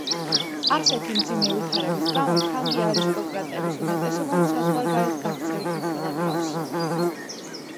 ასეთი მძიმე ვითარების გამო ფრანგი არისტოკრატების უმეტესობამ საზღვარგარეთ გაქცევით უშველა თავს.